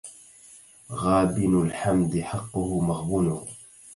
غابن الحمد حقه مغبونه